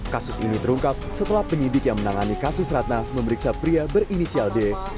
kasus ini terungkap setelah penyidik yang menangani kasus ratna memeriksa pria berinisial d